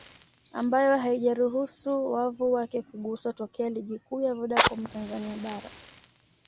ambayo haijaruhusu wavu wake kuguswa tokea Ligi Kuu ya Vodacom Tanzania Bara